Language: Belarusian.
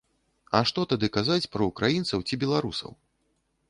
А што тады казаць пра ўкраінцаў ці беларусаў?